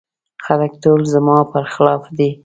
خلګ ټول زما په خلاف دي.